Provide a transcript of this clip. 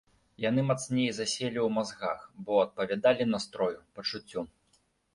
Яны мацней заселі ў мазгах, бо адпавядалі настрою, пачуццю.